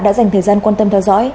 đã dành thời gian quan tâm theo dõi